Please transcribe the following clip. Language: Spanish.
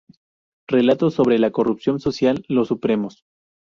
Relatos sobre la corrupción social", "Los supremos.